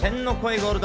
ゴールド。